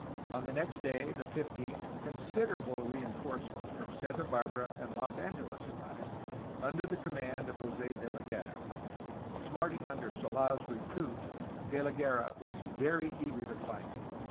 On the next day, the 15th, considerable rein forcements from Santa Barbara and Los Angeles arrived, under the command of Jos6 De la Guerra. Smarting under Sold's reproof De la Guerra was very eager to fight.